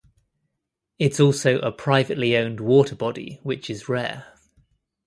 It's also a privately owned water body which is rare.